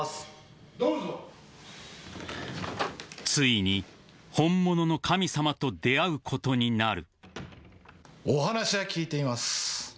［ついに本物の神様と出会うことになる］